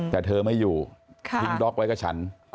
แต่เธอไม่อยู่ทิ้งดล็อกไว้กับฉัน